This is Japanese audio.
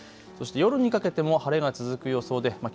そして夜にかけても晴れが続く予想です。